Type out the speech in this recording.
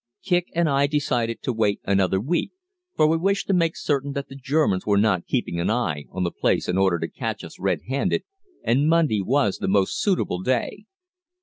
Kicq and I decided to wait another week, for we wished to make certain that the Germans were not keeping an eye on the place in order to catch us red handed, and Monday was the most suitable day.